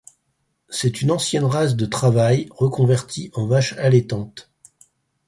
C'est une ancienne race de travail reconvertie en vache allaitante.